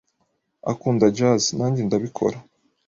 Akunda jazz, nanjye ndabikora.